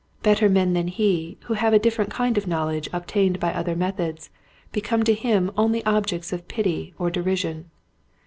Better men than he who have a different kind of knowledge obtained by other methods become to him only objects of pity or derision.